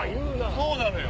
そうなのよ！